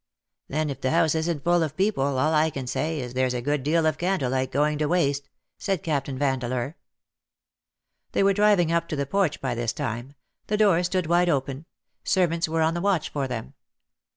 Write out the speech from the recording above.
'^" Then if the house isn't full of people, all I can say is there's a good deal of candle light going to waste," said Captain, Vandeleur. They were driving up to the porch by this time ; the door stood wide open ; servants were on the watch for them.